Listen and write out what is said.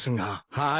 はい。